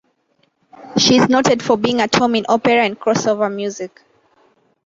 She is noted for being at home in opera and "crossover music".